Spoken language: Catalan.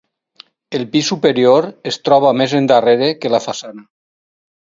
El pis superior es troba més endarrere que la façana.